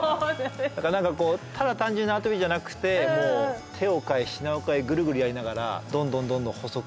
だから何かこうただ単純に縄跳びじゃなくてもう手を変え品を変えぐるぐるやりながらどんどんどんどん細くしていく。